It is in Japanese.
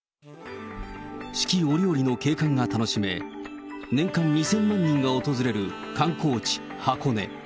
四季折々の景観が楽しめ、年間２０００万人が訪れる観光地、箱根。